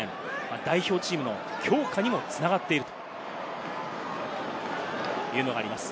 代表チームの強化にも繋がっているというのがあります。